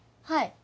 はい。